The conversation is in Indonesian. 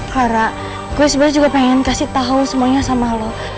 clara gue sebenernya juga pengen kasih tau semuanya sama lo